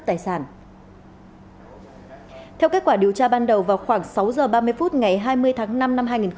theo kết quả điều tra ban đầu vào khoảng sáu h ba mươi phút ngày hai mươi tháng năm năm hai nghìn hai mươi